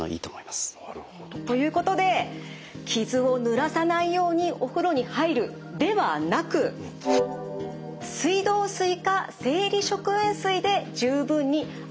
ということで「傷をぬらさないようにお風呂に入る」ではなく「水道水か生理食塩水で十分に洗い流す」でお願いします。